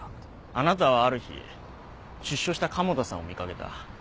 あなたはある日出所した加茂田さんを見かけた。